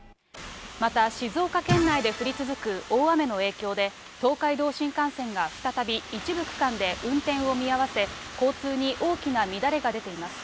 また、静岡県内で降り続く大雨の影響で、東海道新幹線が再び一部区間で運転を見合わせ、交通に大きな乱れが出ています。